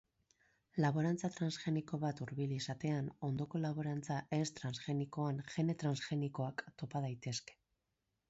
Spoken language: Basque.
Laborantza transgeniko bat hurbil izatean ondoko laborantza ez transgenikoan gene transgenikoak topa daitezke.